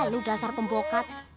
lu dasar pembokat